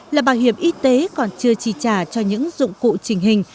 là bảo hiểm y tế còn chưa chi trả cho những dụng cụ trình hình